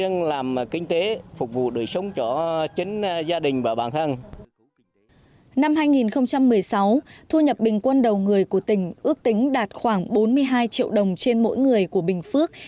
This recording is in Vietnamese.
năm hai nghìn một mươi sáu thu nhập bình quân đầu người của tỉnh ước tính đạt khoảng bốn mươi hai triệu đồng trên mỗi người của bình phước